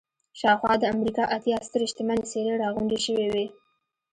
شاوخوا د امريکا اتيا سترې شتمنې څېرې را غونډې شوې وې.